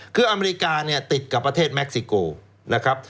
คืออเมริกาเนี่ยติดกับประเทศเม็กซิโกนะครับ